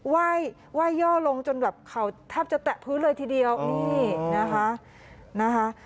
ไหว่ไหว่ย่อลงจนแบบเข่าแทบจะแตะผืนเลยทีเดียวนี่นะคะ